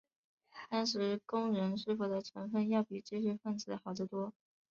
当时工人师傅的成分要比知识分子好得多。